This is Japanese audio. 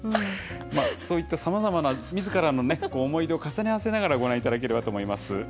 そういったさまざまなみずからの思い出を重ね合わせながら、ご覧いただければと思います。